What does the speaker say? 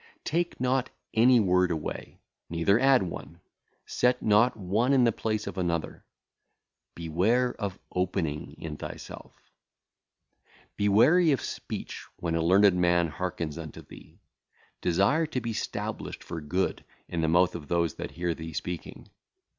Take not any word away, neither add one; set not one in the place of another. Beware of opening... in thyself. Be wary of speech when a learned man hearkeneth unto thee; desire to be stablished for good in the mouth of those that hear thee speaking.